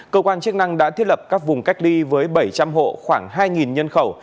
cơ quan chức năng đã thiết lập các vùng cách ly với bảy trăm linh hộ khoảng hai nhân khẩu